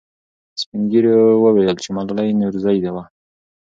سپین ږیرو وویل چې ملالۍ نورزۍ وه.